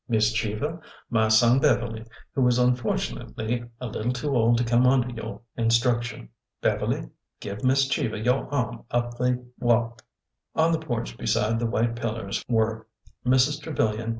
Miss Cheever, my son Beverly, who is unfortunately a little too old to come under your instruction. Beverly, give Miss Cheever your arm up the walk.'' On the porch beside the white pillars were Mrs. Tre vilian.